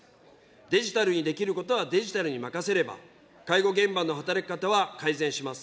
デジタルにできることはデジタルに任せれば、介護現場の働き方は改善します。